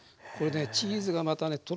これねチーズがまたね